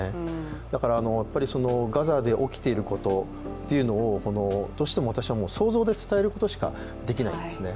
だからガザで起きていることというのをどうしても私は想像で伝えることしかできないですね。